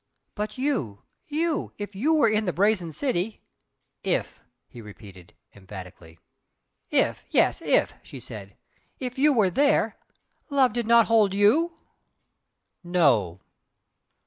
"But YOU you if you were in the Brazen City " "If!" he repeated, emphatically. "If yes! if" she said "If you were there, love did not hold YOU?" "No!"